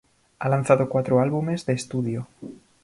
Ha lanzado cuatro álbumes de estudio.